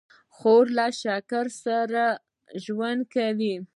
خور له شکر سره ژوند کوي.